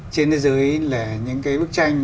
trên thế giới là những cái bức tranh